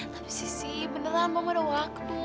tapi sissy beneran mama ada waktu